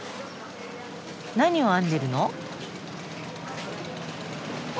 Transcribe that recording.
何を編んでるの？